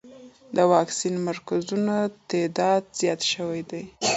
د واکسین مرکزونو تعداد زیات شوی دی.